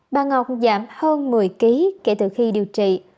bà ngọc giảm hơn một mươi kg kể từ khi điều trị